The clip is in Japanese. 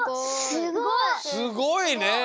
すごいね！